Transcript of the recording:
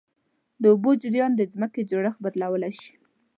د اوبو جریان د ځمکې جوړښت بدلولی شي.